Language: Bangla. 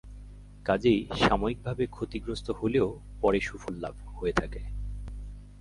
কাজেই সাময়িকভাবে ক্ষতিগ্রস্ত হলেও পরে সুফল লাভ হয়ে থাকে।